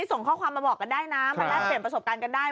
ส่งข้อความมาบอกกันได้นะมาแลกเปลี่ยนประสบการณ์กันได้